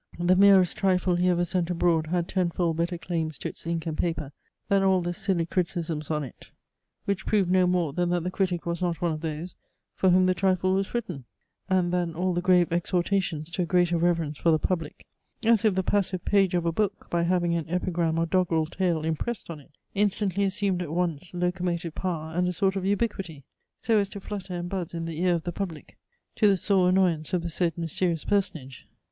The merest trifle he ever sent abroad had tenfold better claims to its ink and paper than all the silly criticisms on it, which proved no more than that the critic was not one of those, for whom the trifle was written; and than all the grave exhortations to a greater reverence for the public as if the passive page of a book, by having an epigram or doggerel tale impressed on it, instantly assumed at once loco motive power and a sort of ubiquity, so as to flutter and buz in the ear of the public to the sore annoyance of the said mysterious personage.